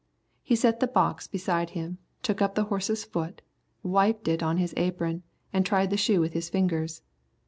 He set the box beside him, took up the horse's foot, wiped it on his apron, and tried the shoe with his fingers.